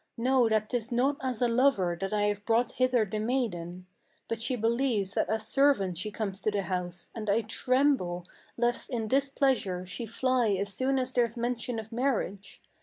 Know that 'tis not as a lover that I have brought hither the maiden; But she believes that as servant she comes to the house, and I tremble Lest in displeasure she fly as soon as there's mention of marriage.